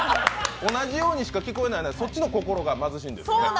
同じようにしか聞こえない、そっちの心が貧しいんですね。